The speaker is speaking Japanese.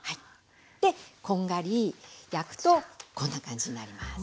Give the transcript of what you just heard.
でこんがり焼くとこんな感じになります。